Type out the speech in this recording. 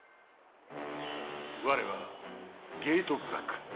われはゲートブラック！